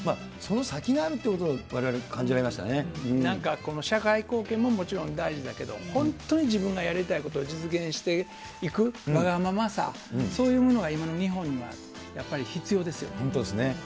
その先があるっていうことをわれなんか社会貢献ももちろん大事だけど、本当に自分がやりたいことを実現していくわがままさ、そういうものが今の日本にはやっぱり必要ですよね。